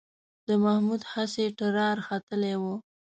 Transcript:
د محمود هسې ټرار ختلی و